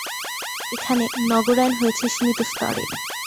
এখানে নগরায়ণ হয়েছে সীমিত স্তরে।